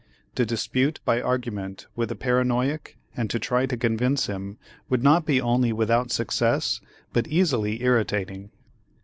To dispute by argument with the paranoiac and to try to convince him would not be only without success, but easily irritating.